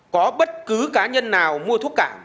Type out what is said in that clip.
có bất cứ cá nhân nào mua thuốc cảng